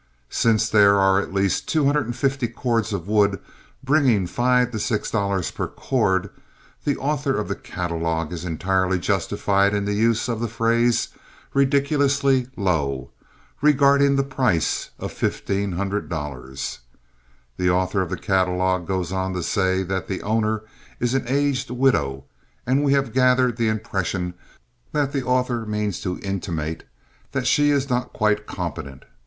Since there are at least 250 cords of wood bringing five to six dollars per cord, the author of the catalogue is entirely justified in the use of the phrase "ridiculously low" regarding the price of $1,500. The author of the catalogue goes on to say that "the owner is an aged widow," and we have gathered the impression that the author means to intimate that she is not quite competent.